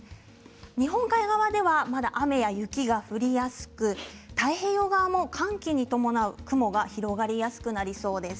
日本海側では、まだ雨や雪が降りやすく太平洋側も寒気に伴う雲が広がりやすくなりそうです。